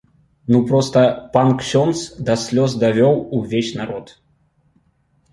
Ну проста пан ксёндз да слёз давёў увесь народ.